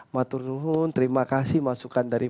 matur suhun terima kasih masukan dari